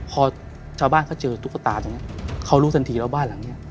พอชาวบ้านเขาเจอตุ๊กตาตรงนี้เขารู้ทันทีว่าบ้านหลังนี้